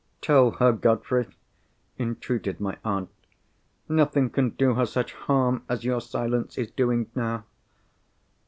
"Tell her, Godfrey!" entreated my aunt. "Nothing can do her such harm as your silence is doing now!"